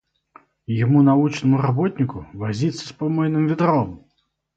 Ему научному работнику, возиться с помойным ведром!